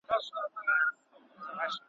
محتسب ډېوې وژلي د رڼا غلیم راغلی `